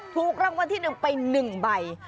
ถูกรางวัลที่หนึ่งไปหนึ่งใบ